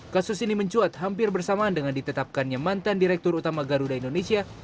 kasus ini mencuat hampir bersamaan dengan ditetapkannya mantan direktur utama garuda indonesia